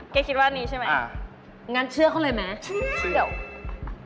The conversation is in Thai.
แกคิดว่านี้ใช่ไหมงั้นเชื่อเขาเลยไหมเชื่อ